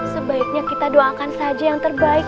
sebaiknya kita doakan saja yang terbaik